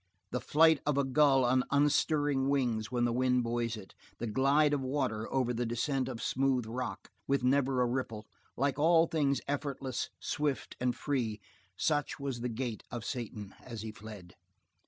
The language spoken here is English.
The flight of a gull on unstirring wings when the wind buoys it, the glide of water over the descent of smooth rock, with never a ripple, like all things effortless, swift, and free, such was the gait of Satan as he fled.